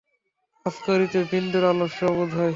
কাজ করিতে বিন্দুর আলস্য বোধ হয়।